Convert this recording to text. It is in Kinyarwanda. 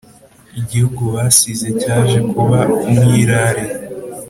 Igihugu basize cyaje kuba umwirare